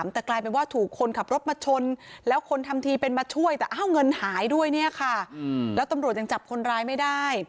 แต่กลายเป็นว่าถูกคนขับรถมาชนแล้วคนทำทีเป็นมาช่วยแต่อ้าวเงินหายด้วยเนี่ยค่ะแล้วตำรวจยังจับคนร้ายไม่ได้